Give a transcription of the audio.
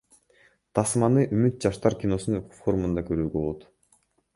Тасманы Үмүт жаштар киносунун форумунда көрүүгө болот.